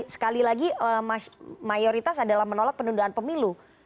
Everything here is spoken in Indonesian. sekali lagi mayoritas adalah menolak penundaan pemilu